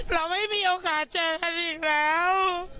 เราไม่มีโอกาสเจอกันอีกแล้ว